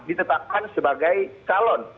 ditetapkan sebagai calon